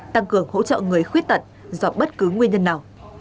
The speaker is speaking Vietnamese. tăng cường hỗ trợ người khuyết tật do bất cứ nguyên nhân nào